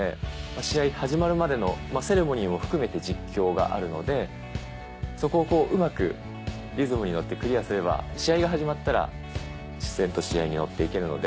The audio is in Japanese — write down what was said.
試合始まるまでのセレモニーも含めて実況があるのでそこをうまくリズムに乗ってクリアすれば試合が始まったら自然と試合に乗っていけるので。